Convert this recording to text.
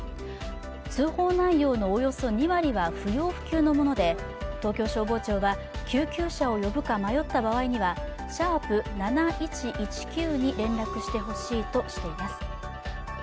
通報内容のおよそ２割は不要不急のもので東京消防庁は、救急車を呼ぶか迷った場合には、♯７１１９に連絡してほしいとしています。